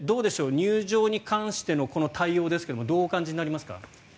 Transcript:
入場に関してのこの対応ですけどどうお感じになりますか。